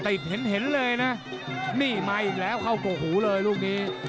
เห็นเห็นเลยนะนี่มาอีกแล้วเข้ากกหูเลยลูกนี้